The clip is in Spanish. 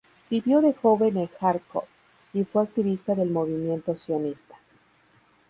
Vivió de joven en Járkov y fue activista del movimiento sionista.